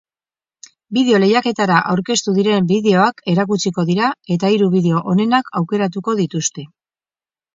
Bideo lehiaketara aurkeztu diren bideoak erakutsiko dira eta hiru bideo onenak aukeratuko dituzte.